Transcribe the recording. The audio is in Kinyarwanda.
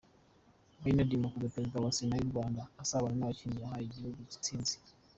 Bernard Makuza perezida wa Sena y'u Rwanda asabana n'abakinnyi bahaye igihugu intsinzi.